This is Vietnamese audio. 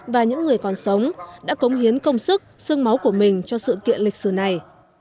và những người còn sống đã cống hiến công sức sương máu của mình cho sự kiện lịch sử này